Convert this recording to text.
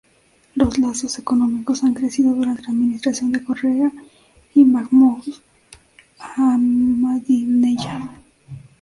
Los lazos económicos han crecido durante la administración de Correa y Mahmoud Ahmadinejad.